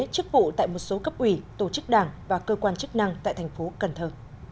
chức vụ tại một số cấp ủy tổ chức đảng và cơ quan chức năng tại thành phố cần thơ